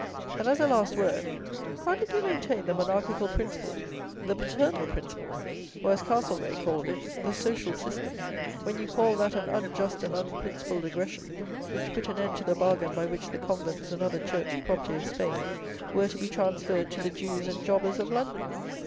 And as a last word, how did you maintain the 'monarchical principle,' the 'paternal principle,' or as Castlereagh called it, the 'social system,' when you called that an unjust and unprincipled aggression which put an end to the bargain by which the convents and other church property of Spain were to be transferred to the Jews and Jobbers of London?